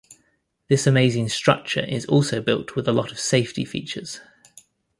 This amazing structure is also built with a lot of safety features.